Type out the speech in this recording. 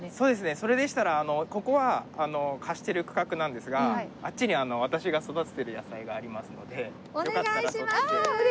それでしたらここは貸してる区画なんですがあっちに私が育てている野菜がありますのでよかったらそっちで。